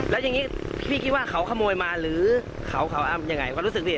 แล้วยังนี้พี่คิดว่าเขาขโมยมาหรือเขาอย่างไรรู้สึกดี